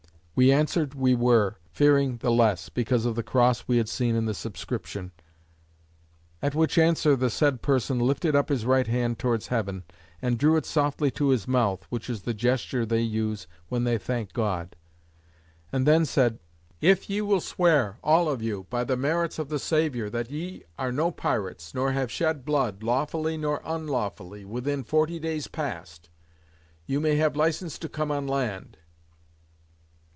We answered, "We were;" fearing the less, because of the cross we had seen in the subscription. At which answer the said person lifted up his right hand towards Heaven, and drew it softly to his mouth (which is the gesture they use, when they thank God;) and then said: "If ye will swear (all of you) by the merits of the Saviour, that ye are no pirates, nor have shed blood, lawfully, nor unlawfully within forty days past, you may have licence to come on land."